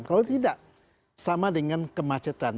kalau tidak sama dengan kemacetan